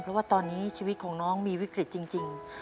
เพราะว่าตอนนี้ชีวิตของน้องมีวิกฤตจริง